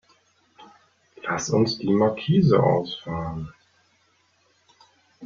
Lass uns die Markise ausfahren.